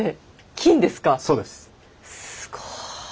すごい。